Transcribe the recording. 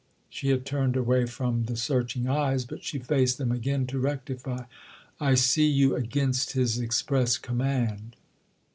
—she had turned away from the searching eyes, but she faced them again to rectify: "I see you against his express command."